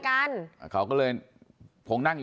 เพราะเห็นเขาเดินมาที่รถคันนี้